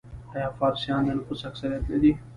آیا فارسیان د نفوس اکثریت نه دي؟